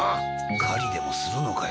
狩りでもするのかよ。